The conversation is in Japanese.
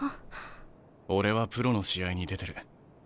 俺はプロの試合に出てる。